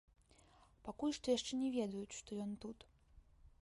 Пакуль што яшчэ не ведаюць, што ён тут.